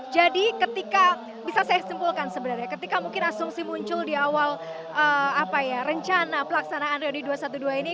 jadi ketika bisa saya simpulkan sebenarnya ketika mungkin asumsi muncul di awal rencana pelaksanaan reuni dua ratus dua belas ini